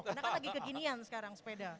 karena kan lagi kekinian sekarang sepeda